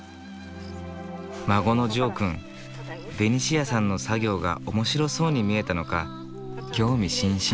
孫のジョーくんベニシアさんの作業が面白そうに見えたのか興味津々。